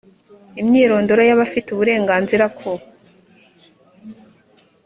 imyirondoro y abafite uburenganzira ku